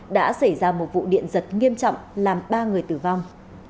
đã xảy ra một vụ điện giật nghiêm trọng làm ba người tử vong